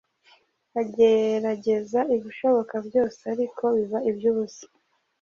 agerageza ibishoboka byose ariko biba iby’ubusa